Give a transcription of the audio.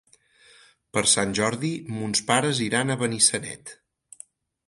Per Sant Jordi mons pares iran a Benissanet.